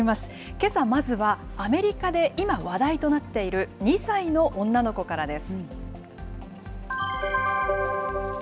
けさまずは、アメリカで今、話題となっている２歳の女の子からです。